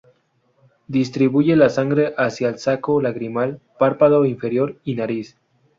Distribuye la sangre hacia el saco lagrimal, párpado inferior y nariz.